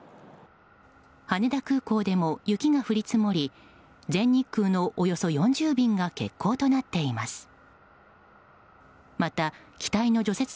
羽田空港でも雪が降り積もり全日空のおよそ４０便が欠航となっています。